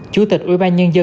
chủ tịch ubnd